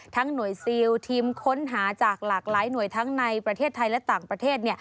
หน่วยซิลทีมค้นหาจากหลากหลายหน่วยทั้งในประเทศไทยและต่างประเทศ